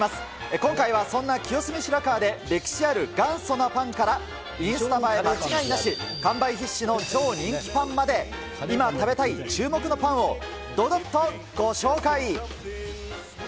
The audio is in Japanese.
今回はそんな清澄白河で、歴史ある元祖なパンから、インスタ映え間違いなし、完売必至の超人気パンまで、今食べたい注目のパンを、どどっとご紹介。